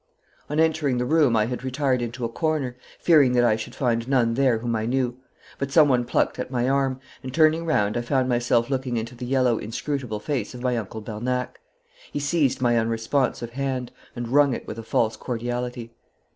On entering the room I had retired into a corner, fearing that I should find none there whom I knew; but someone plucked at my arm, and turning round I found myself looking into the yellow inscrutable face of my uncle Bernac. He seized my unresponsive hand and wrung it with a false cordiality.